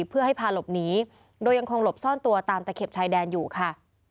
เพื่อให้พาหลบหนีโดยยังคงหลบซ่อนตัวตามตะเข็บชายแดนอยู่ค่ะ